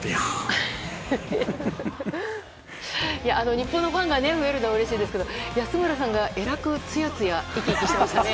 日本のファンが増えるのはうれしいですが安村さんが、えらくツヤツヤ生き生きしてましたね。